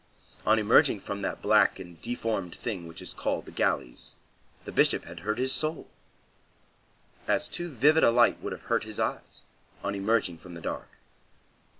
On emerging from that black and deformed thing which is called the galleys, the Bishop had hurt his soul, as too vivid a light would have hurt his eyes on emerging from the dark.